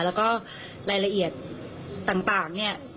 แล้วก็รายละเอียดต่างเนี่ย